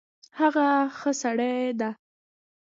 هغه ښه سړی ده